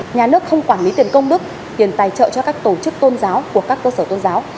nhà nước không quản lý tiền công đức tiền tài trợ cho các tổ chức tôn giáo của các cơ sở tôn giáo